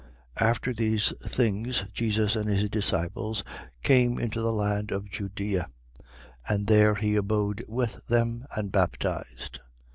After these things, Jesus and his disciples came into the land of Judea: and there he abode with them and baptized.